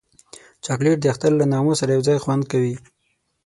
چاکلېټ د اختر له نغمو سره یو ځای خوند کوي.